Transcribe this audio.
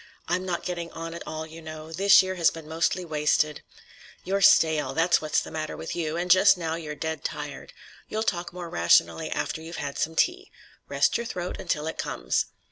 I'm not getting on at all, you know. This year has been mostly wasted." "You're stale; that's what's the matter with you. And just now you're dead tired. You'll talk more rationally after you've had some tea. Rest your throat until it comes."